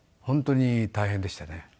本当に大変でしたね。